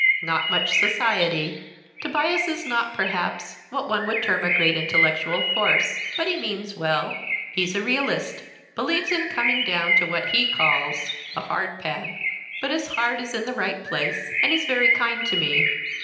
Not much society. Tobias is not, perhaps, what one would term a great intellectual force, but he means well. He's a realist believes in coming down to what he calls (the hardpan); but his heart is in the right place, and he's very kind to me.